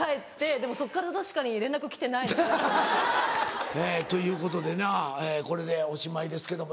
でもそっから確かに連絡来てないですね。ということでなこれでおしまいですけども。